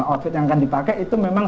offit yang akan dipakai itu memang